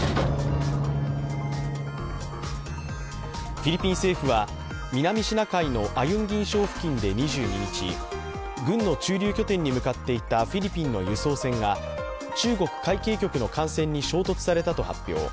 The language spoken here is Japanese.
フィリピン政府は南シナ海のアユンギン礁付近で２２日、軍の駐留拠点に向かっていたフィリピンの輸送船が中国海警局の艦船に衝突されたと発表。